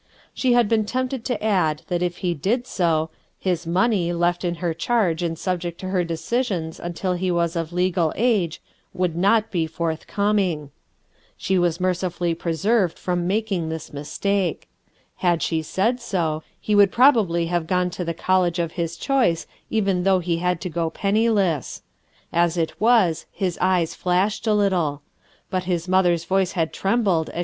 She had been tempted to add that if he did so, his money, left in her charge and subject to her decisions until he was of legal age, would not be forthcoming. She was mercifully preserved MAMIE PAKKER 31 from making this mistake. Had she said go, he would probably have gone to the college of his choice even though he had to go penniless. As it was, his eyes flashed a little. But his mother's voice had trembled as